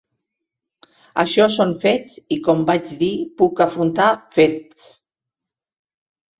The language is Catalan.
Això són fets i, com vaig dir, puc afrontar fets.